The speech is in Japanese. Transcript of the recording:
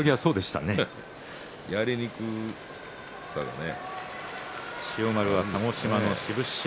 やりにくさがね。